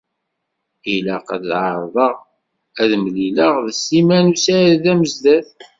Ilaq ad tɛeṛḍeḍ ad temlileḍ d Sliman u Saɛid Amezdat.